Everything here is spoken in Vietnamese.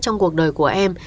trong cuộc đời của em